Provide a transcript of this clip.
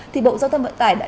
thì bộ giao thông vận tải đã